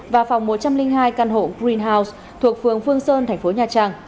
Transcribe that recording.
và phòng một trăm linh hai căn hộ greenhouse thuộc phường phương sơn thành phố nha trang